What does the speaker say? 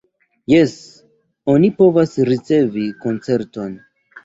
Jes, oni povas ricevi koncerton.